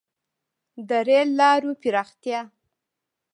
• د رېل لارو پراختیا.